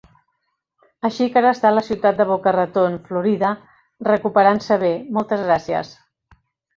Així que ara està a la ciutat de Boca Raton, Florida, recuperant-se bé, moltes gràcies.